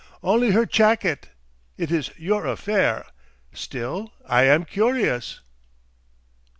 Only her chacket! It is your affair. Still, I am curious."